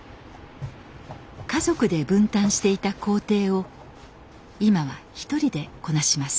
家族で分担していた工程を今は１人でこなします。